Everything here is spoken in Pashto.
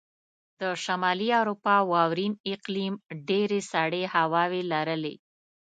د شمالي اروپا واورین اقلیم ډېرې سړې هواوې لرلې.